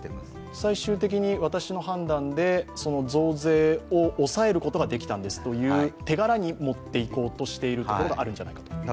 最終的に私の判断で増税を抑えることができたんですというような手柄に持っていこうとしているところがあるんじゃないかと？